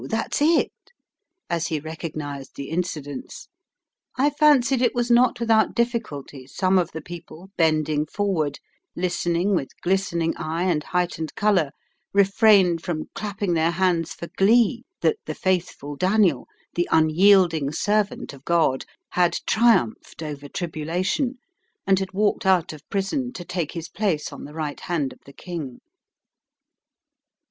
"That's it!" as he recognised the incidents, I fancied it was not without difficulty some of the people, bending forward, listening with glistening eye and heightened colour, refrained from clapping their hands for glee that the faithful Daniel, the unyielding servant of God, had triumphed over tribulation, and had walked out of prison to take his place on the right hand of the king.